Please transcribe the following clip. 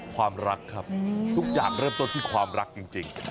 ความรักครับทุกอย่างเริ่มต้นที่ความรักจริง